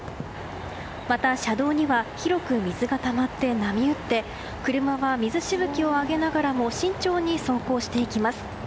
また、車道には広く水がたまって波打って車は水しぶきを上げながらも慎重に走行していきます。